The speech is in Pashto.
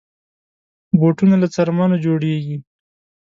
بوټونه له څرمنو جوړېږي.